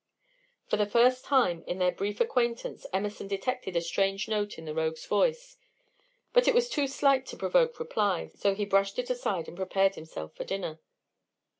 For the first time in their brief acquaintance, Emerson detected a strange note in the rogue's voice, but it was too slight to provoke reply, so he brushed it aside and prepared himself for dinner.